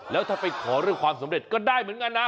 แล้วถ้าไปขอเรื่องความสำเร็จก็ได้เหมือนกันนะ